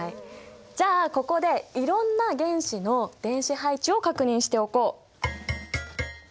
じゃあここでいろんな原子の電子配置を確認しておこう。